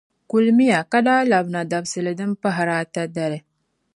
Kulimiya ka daa labina dabisili din pahiri ata dali.